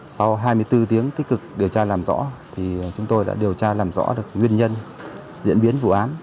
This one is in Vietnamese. sau hai mươi bốn tiếng tích cực điều tra làm rõ thì chúng tôi đã điều tra làm rõ được nguyên nhân diễn biến vụ án